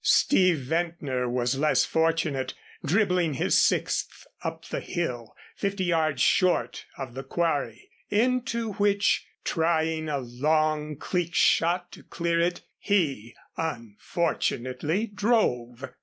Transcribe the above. Steve Ventnor was less fortunate, dribbling his sixth up the hill, fifty yards short of the quarry, into which, trying a long cleek shot to clear it, he unfortunately drove.